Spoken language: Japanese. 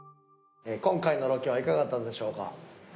今回のロケはいかがだったでしょうか？